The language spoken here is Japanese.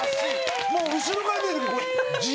もう後ろから見ると。